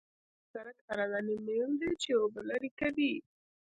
کمبر د سرک عرضاني میل دی چې اوبه لرې کوي